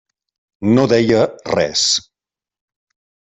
No deia res.